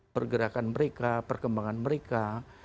pergerakan mereka perkembangan mereka